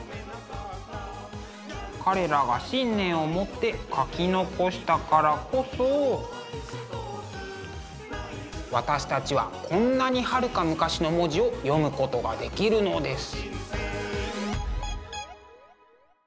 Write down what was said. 彼らが信念を持って書き残したからこそ私たちはこんなにはるか昔の文字を読むことができるのです。